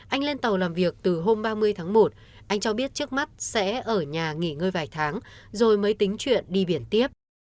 anh lên tàu làm việc từ hôm ba mươi tháng một anh cho biết trước mắt sẽ ở nhà nghỉ ngơi vài tháng rồi mới tính chuyện đi biển tiếp